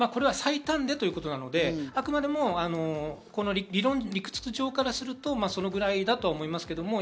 最短でということなのであくまでも理論、理屈上からすると、それぐらいだと思いますけど。